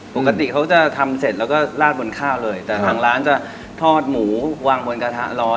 ปกติเขาจะทำเสร็จแล้วก็ลาดบนข้าวเลยแต่ทางร้านจะทอดหมูวางบนกระทะร้อน